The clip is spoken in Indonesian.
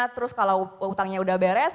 terus kalau utangnya udah beres